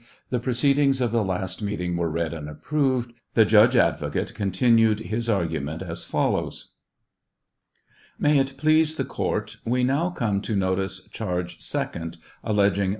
The proceedings of the last meeting were read and approved. The judge advocate continued his argument as follows: May it please the court, we now come to notice charge second, alleging.